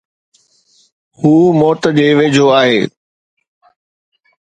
هو موت جي ويجهو آهي